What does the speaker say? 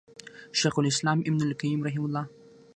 شيخ الإسلام ابن القيّم رحمه الله